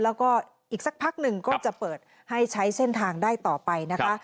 แล้วก็อีกสักพักหนึ่งก็จะเปิดให้ใช้เส้นทางได้ต่อไปนะคะ